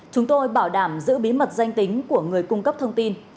chúng tôi bảo đảm giữ bí mật danh tính của người cung cấp thông tin